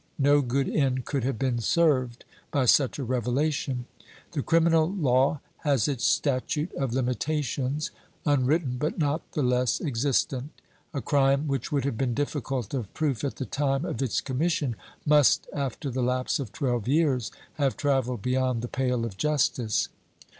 No good end could have been served by such a revelation. The criminal law has its statute of limitations unwritten, but not the less existent. A crime which would have been difficult of proof at the time of its commission must after the lapse of twelve years have travelled beyond the pale of justice.